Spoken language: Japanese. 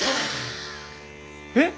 えっ！？